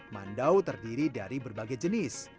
mandau terdiri dari berbagai jenis